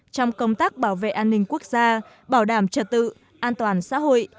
trong công tác bảo vệ an ninh quốc gia bảo đảm trật tự an toàn xã hội